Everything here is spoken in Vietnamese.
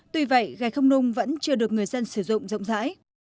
tuy vậy gạch không nung vẫn chưa được người dân sử dụng rộng rãi